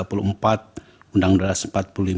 undang undang dasar seribu sembilan ratus empat puluh lima